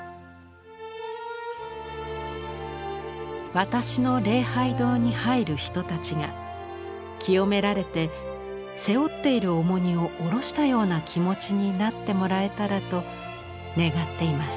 「私の礼拝堂に入る人たちが清められて背負っている重荷を下ろしたような気持ちになってもらえたらと願っています」。